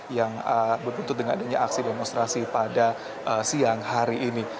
yang berbuntut dengan adanya aksi demonstrasi pada siang hari ini